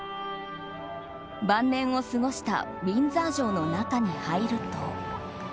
晩年を過ごしたウィンザー城の中に入ると。